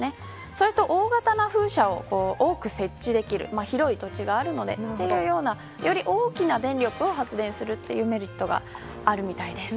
それと大型な風車を多く設置できる広い土地があるのでというような、より大きな電力を発電するというメリットがあります。